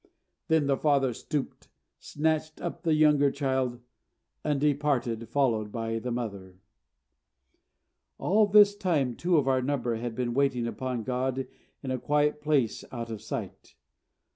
Then the father stooped, snatched up the younger child, and departed, followed by the mother. All this time two of our number had been waiting upon God in a quiet place out of sight.